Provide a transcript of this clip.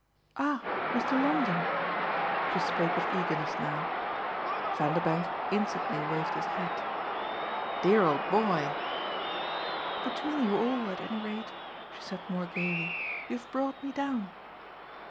"Ah Mr. Longdon!" she spoke with eagerness now. Vanderbank instantly waved his hat. "Dear old boy!" "Between you all, at any rate," she said more gaily, "you've brought me down."